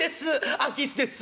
空き巣です。